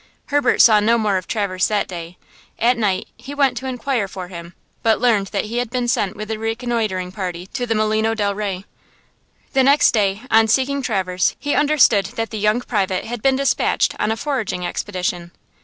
Herbert saw no more of Traverse that day. At night he went to inquire for him, but learned that he had been sent with a reconnoitering party to the Molino del Rey. The next day, on seeking Traverse, he understood that the young private had been despatched on a foraging expedition.